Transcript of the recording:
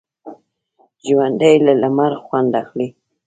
ژوندي له لمر خوند اخلي